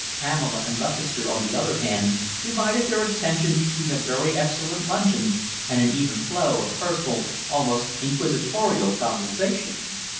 Pamela and Lutchester, on the other hand, divided their attention between a very excellent luncheon and an even flow of personal, almost inquisitorial conversation.